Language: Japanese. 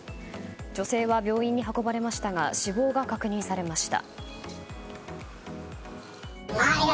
女性は病院に運ばれましたが死亡が確認されました。